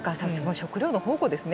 食料の宝庫ですね。